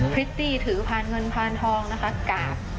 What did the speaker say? พฤติถือผ่านเงินผ่านทองนะคะกาก